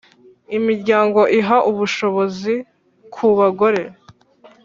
Imiryango iha ubushobozi ku bagore .